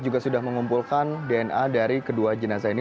juga sudah mengumpulkan dna dari kedua jenazah ini